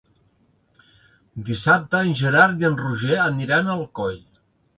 Dissabte en Gerard i en Roger aniran a Alcoi.